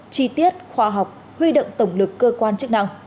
chi tiết khoa học huy động tổng lực cơ quan chức năng